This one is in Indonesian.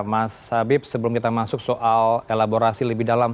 mas habib sebelum kita masuk soal elaborasi lebih dalam